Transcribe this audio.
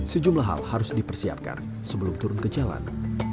sejumlah hal harus dipersiapkan sebelum turun ke jalan